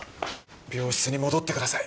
病室に戻ってください。